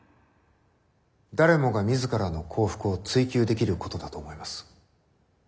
誰もが自らの幸福を追求できることだと思います。